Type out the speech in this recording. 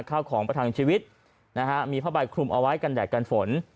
ข้าวของประทังชีวิตนะฮะมีผ้าใบคลุมเอาไว้กันแดดกันฝน